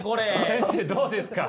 先生どうですか？